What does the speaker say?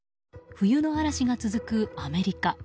冬の嵐が続くアメリカ。